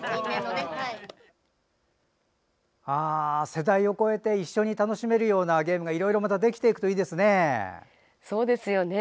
世代を越えて一緒に楽しめるようなゲームがいろいろまたできていくといいですよね。